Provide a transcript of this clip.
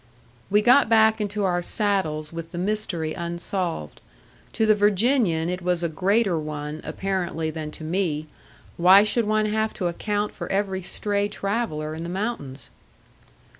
We got back into our saddles with the mystery unsolved. To the Virginian it was a greater one, apparently, than to me; why should one have to account for every stray traveller in the mountains?